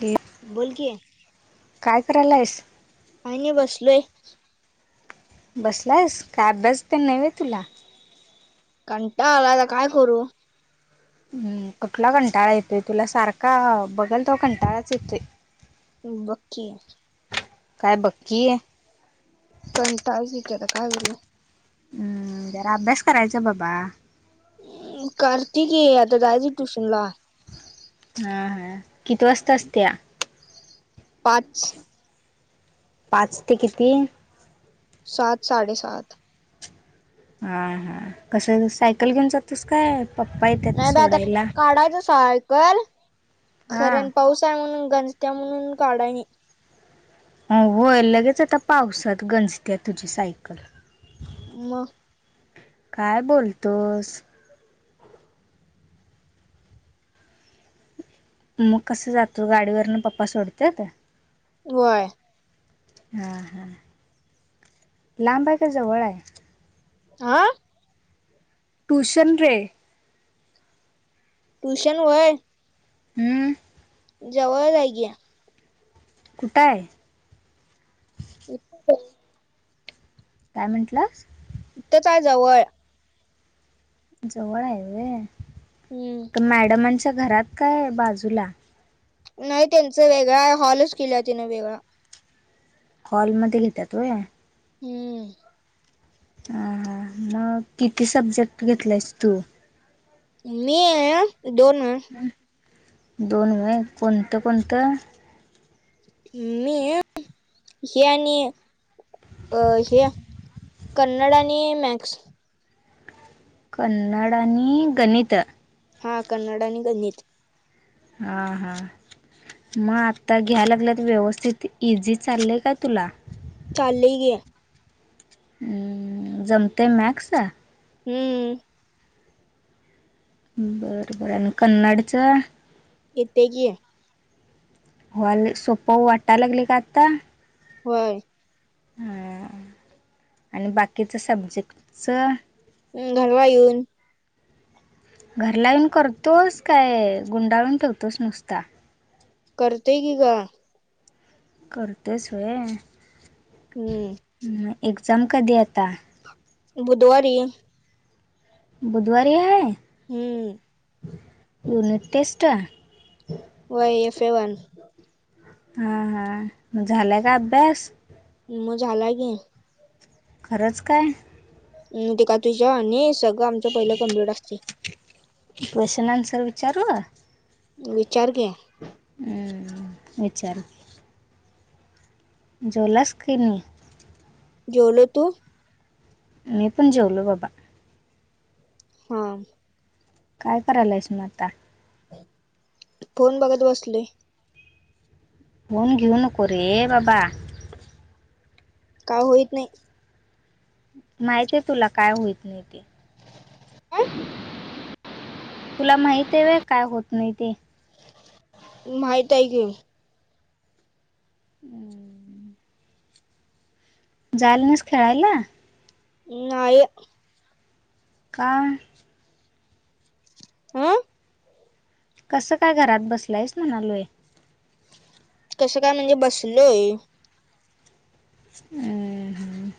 हे बोल कि काय करायला आहेस. आणि बसलोय. बसलास काभ्यास तर न् तुला कंटा आलाता काय करू. हम् कुठला कंटाळा येतोय तुला सारखा बघाल तो कंटाळाच येतोय. बककी काय बक्कीय? कंटाजकरा काय ग. हम्म जरा अभ्यास करायचा बाबा कारतिकी आता दयज ट्यूशन ला हा हा किती वाजत असते. पाच. पाचथ तीन सात साडेसात. हा हा कसं सायकल घेऊन जातोस काय? पप्पा येतात नाही बा आता सोडायला काढायचं सायकल हा खर्याण पाऊस य म्हणून गणस्त्या म्हणून काढायणे होय लगेच आता पावसात गंजत्या तुझी सायकल मग काय बोलतोस? मग कसं जातो गाडीवरन पप्पा सोडते का? वय. हा हा लांब आहे का जवळ आहे. आह. ट्यूशने ट्यूशन वय हम्म. जवळ जाय गया कुटय इ पॅमेंट्ला त्या जवळ जवळ आहे व हम्म तर मॅडमांच्या घरात काय बाजूला नाही त्यांच वेगळा हॉलच केला तिनं वेगळा हॉलमध्येध्ये घेतात व हम्म. ह मग किती सब्जेक्ट घेतलायस तू? मी आहे दोन. दोन म कोणतं कोणतं? मी हे. अ हे कन्नड आणि मॅक्स कन्नड आणि आणि गणित हा कन्ड आणि गणित हा हां. मग आता घ्याय लागल्या तर व्यवस्थित इझी चाललय काय तुला? चालेही ग. जमते मॅक्स हम्म. बर बर आणि कन्नडचं. इथ की आहे. होले सोपं वाटायला लागले का आत्ता होय. आणि बाकीचं सब्जेक्टचं हम् घडवा येऊन घर ला येऊन करतोस काय गुंडाळून ठेवतोस नुसता करतेय की का? करतेचोय. हम्म. ह् एक्झाम कधी आता बुधवारी. बुधवारी आहे हम्म युनिट टेस्ट. वय एफ ए वन. हा हा झालंय का अभ्यास मग झाला के खरंच काय? ते का तुझ्या आणि सगळं आमचं पहिलं कम्प्लीट असते. क्वेश्चन आनसर विचारवा. विचार घे. हम्म वि्चार. जलास कनी जलो तू मी पण जेवलो बाबा हा काय करायला आहेस ना आता फोन बघत बसलय फोन घेऊ नको रे बाबा का होईत नाही माहिती आहे तुला काय होईत नाही ते ह. तुला माहती आहे काय होत नाही ते माहित आहे की हम्. जायला ना अस खेळयला ् नाय काय आं कसं काय घरात बसलंयस म्हणालोय कसं काय म्हणजे बसलोय अ ह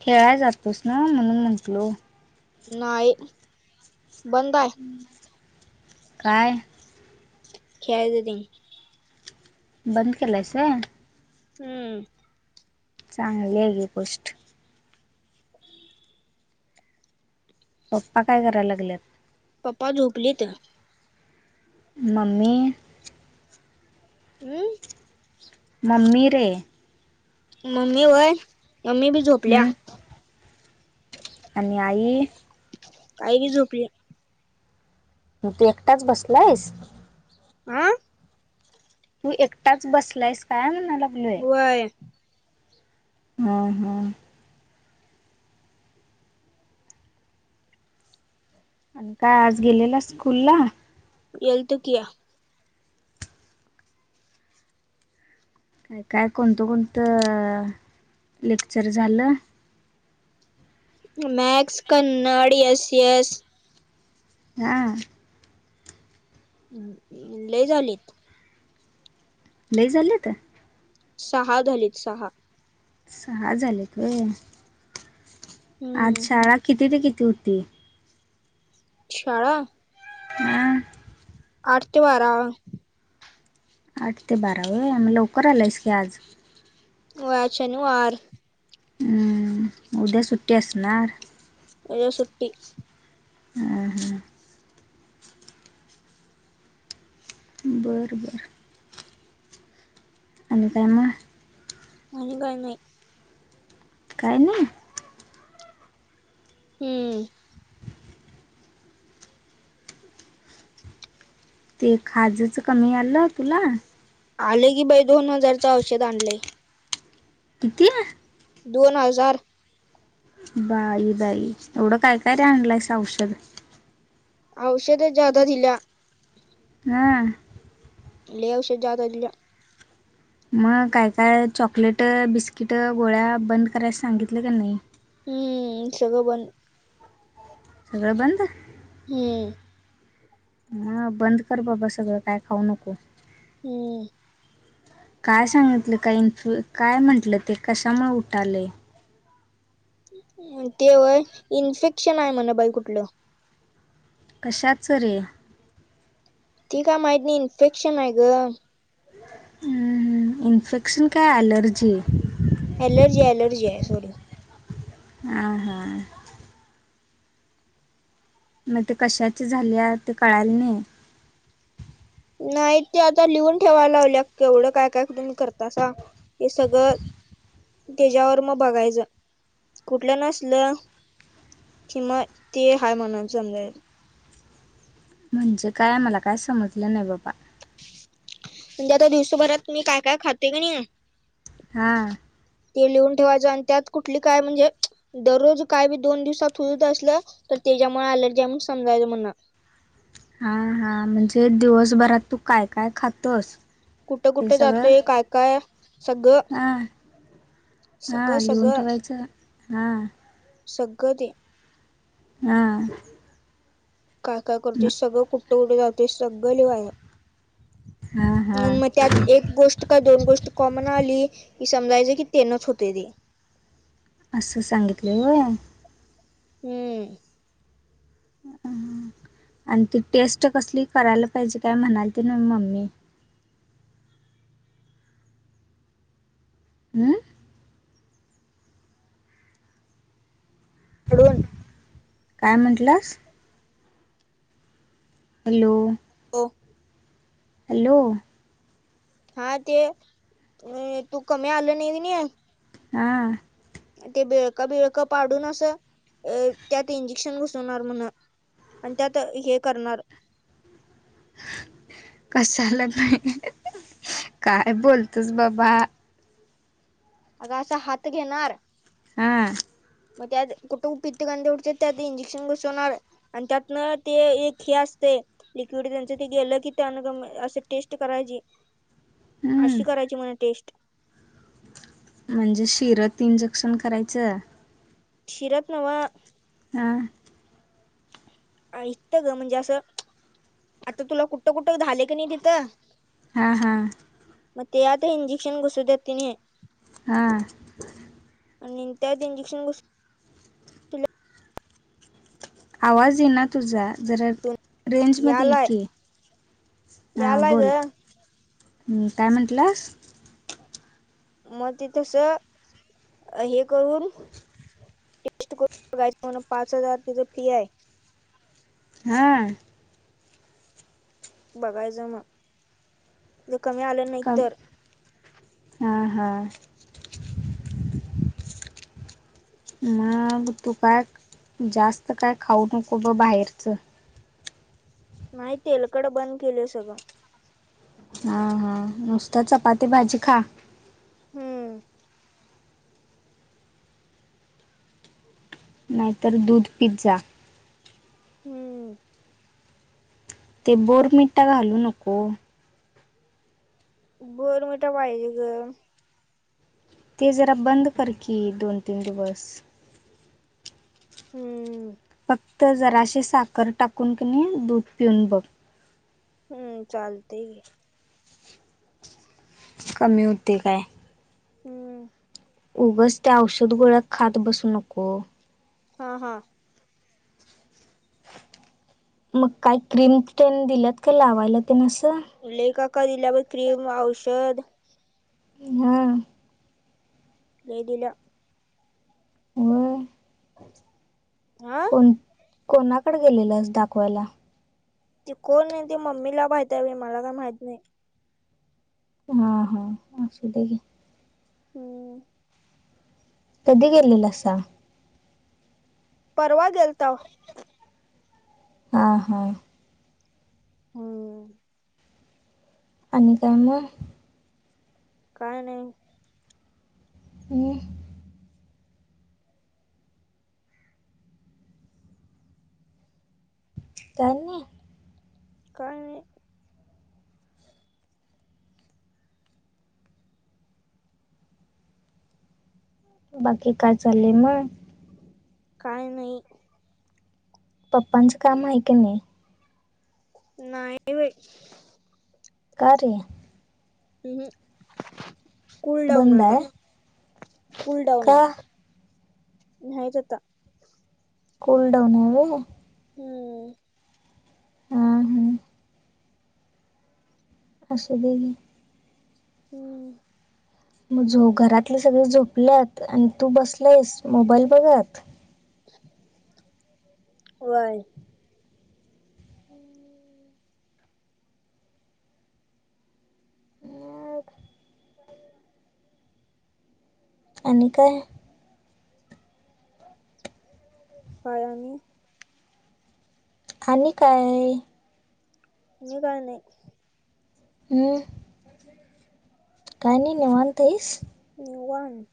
खेळाय जातोस ना म्हणून म्हटलो नाही बंद आहे काय खेळाळ देतीलन बंद केलाय स हम्म चांगली आहे गी गोष्टट पप्पा काय करायला लागल्यात पप्पा झोपलीत म्मी हम् म्मी रे मम्मी होय मम्मी बी झोपल्या हं? आणि आई काय की झोपली मग तू एकटाच बसला आहेस आं तू एकटाच बसलायस काय म्हणणा लागलूय वय ह हम आणि काय आज गेलेला स्कूल ला येल्त किया काय काय कोणतं कोणतं लेक्चर झालं मॅक्स कनाड एस एस हा ह् लय झालीत ल झाले तर सहा झालीत सहा सहा झालेतय हम्म अच्छा किती ते किती होती शाळा हम आठ तें बारा. आठ ते बारा व लवकर आलायस की आज? होय आज शनिवार. हम्म उद्या सुट्टी असणार. उद्या सुट्टी. ह हा. बरं बरं. आणि काय मग? आणि काय नाही. काय नाय. हम्म. ते खाजंच कमी आलं तुला? आले की बाई दोन हजारच औषध आणलंय. किती? दोन हजार. बााई बाई एवढ कय काय आणलासा औषध? औषध जादा दिला. हा. लय औषध ज्यादा दिलंय. मग काय काय चॉकलेट बिस्किट गोळ्या बंद करायस सांगितलं त्यांनी. हम्म. बरोबर. सगळं बंद. हम्म. हा बंद कर बाबा सगळं काय खाऊ नको. हम्म. काय सांगितलं काय इन्फ्लु काय म्हटलं ते कशामुळे उठाले? तें व्हय इन्फेक्शन आहे म्हणा बाई कुठलं? कशाचं ऱे. तें का माहित नाही इन्फेक्शन आहे ग! इन्फेक्शन काय अॲलर्जी? एलर्जी एलर्जी आहे सॉरी. हा हा. मग ते कशाची झाले आहे ते कळायला नाही. नाही ते आता लिहून ठेवायला लावले केवढं काय काय तुम्ही करतासा. हे सगळ... त्याच्यावर मग बघायच कुठलं नसल. किंवा ते हाय म्हणून समजायचं. म्हणजे काय मला काय समजलं नाही बाबा. म्हणजे आता दिवसभरात तुम्ही काय काय खाते क नाही... हा. ते लिहून ठेवायचं आणि त्यात कुठली काय म्हणजे... दररोज काय बी दोन दिवसात होुजत असलं तर त्याच्यामुळे आलर्जी आहे म्हण समजायच म्हणा. हा हा म्हणजे दिवसभरात तू काय काय खातस? कुठं कुठे जातोय काय काय सगळं. हा सगळं हा लिहून सगळं ठेवायचं हा सगळं ते. हा. काकाय करते सगळं कुठं कुठे जाते सगळ लिवाया. हा हा मग त्यात एक गोष्ट का दोन गोष्ट कॉमन आली की समजायच की तेनच होते ते असं सांगितले हो. हम्म. अ आणि ती टेस्ट कसली करायला पाहिजे काय म्हणाल ते ना मम्मी.. हम्म.. [unintelligible] काय म्हटलंस? हॅलो, हो, हॅलो. हा ते अ तू कमी आलं नाही नाही. हा. ते बिळका बिळकं पाडून असं अ त्यात इंजेक्शन घुसवणार म्हण. आणि त्यात हे करणार. कशाला काय बोलतोस बाबा अग असं हात घेणार. हम. मग त्यात कुठे उपित्त कां उडते त्यात इंजेक्शन घसवणार. आणि त्यातन ते एक हे असते. लिक्विड त्यांच ते गेलं की ते अनग अस टेस्ट करायची. अशी हम्म करायची म्हणा टेस्ट. म्हणजे शिरत इंजेक्शन करायचं. सिरप नव हा. ऐतं ग म्हणजे असं आता तुला कुठं कुठ झाले की नाही तिथं हा हा. मे यात इंजेक्षन घुसदतिन. हा. आणि त्यात इंजेक्शन ग. आवाज येणा. तु जरा रेंज मध्ये ये यालाय की यालाय ग बोल. हुम काय म्हंटलास. मग ते तस हे करून. टेस्ट करून पाच हजार तिचं फी आहे. हाआ. बघायचं मग कमी आलं. नाही कम तर हां हां. मग तू काय जास्त काय खाऊ नको बाहेरचं. नाही तेलकट बंद केले सगळं. हा हा नुसतं चपाती भाजी खा. हम्म. नाहीतर दूध पित जा. हम्म. ते बोरमिटा घालू नको. बोर मीटा पाहिजे ग. ते जरा बंद कर की दोन तीन दिवस. हम्म़. फक्त जराशी साखर टाकून दूध पिऊन बघ. हम्म चालतय की कमी होते काय? हम्म. उगच त्या औषध गोळ्या खात बसू नको. हा हा. मग काय क्रीम त्यानी दिल्यात का लावायला त्यान असं. काका दिल्या आप क्रीम औषध हा. लई दिल. वय. हा कोण कोणाकडे गेलेलंस दाखवायला? ते कोण आहे ती मम्मीला माहित आहे बाई मला काय माहित नाही. हा हा असूदे घे. हम्म. कधी गेलेलासा? परवा गेलताव. हा हा. हम्म. आणि काय मग? काय नाही. हम्म. काय नाही. काय नाही. बाकी काय चालय मग? काय नाही. पप्पांचं काम आहे काय नाही? नाही बाई. का रे. हम् कुलडाऊन आहे आता कुलडाऊन का आहे. नाहीच आता. कुलडऊन हाय वय. हम्म. ह हा. असुदे घे. हम्म. म झो घरातली सगळे झोपल्यात आणि तू बसलायस मोबाईल बघत? वय. मग आणि काय? काय आणि. आणि काय? आणि काय नाही. हम्म. काय नाही निवांत आहेस? निवांत.